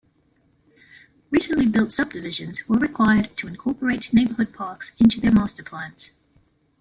Recently built subdivisions were required to incorporate neighborhood parks into their master plans.